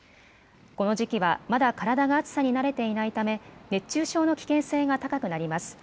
この時期はまだ体が暑さに慣れていないため熱中症の危険性が高くなります。